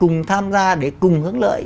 cùng tham gia để cùng hướng lợi